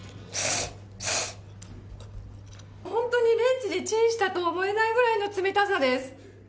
本当にレンジでチンしたとは思えないくらいの冷たさです。